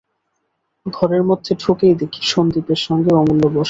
ঘরের মধ্যে ঢুকেই দেখি সন্দীপের সঙ্গে অমূল্য বসে আছে।